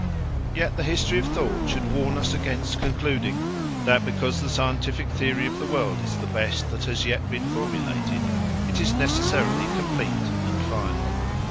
Yet the history of thought should warn us against concluding that because the scientific theory of the world is the best that has yet been formulated, it is necessarily complete and final.